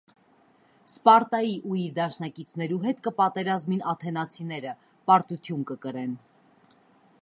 Սպարտայի ու իր դաշնակիցներու հետ կը պատերազմին աթէնացիները՝ պարտութիւն կը կրեն։